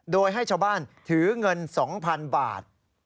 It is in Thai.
โดยให้ชาวบ้านถือเงิน๒๐๐๐บาท